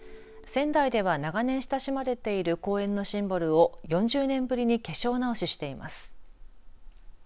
仙台では長年親しまれている公園のシンボルを４０年ぶりに化粧直ししています。